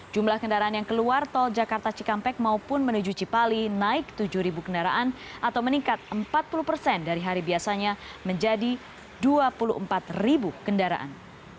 jumlah kendaraan yang keluar tol jakarta cikampek maupun menuju cipali naik tujuh kendaraan atau meningkat empat puluh persen dari hari biasanya menjadi dua puluh empat ribu kendaraan